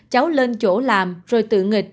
cháu lên chỗ làm rồi tự nghịch